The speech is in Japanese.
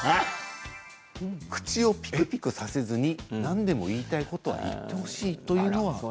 口をピクピクさせずに何でも言いたいことは言ってほしい、というのが。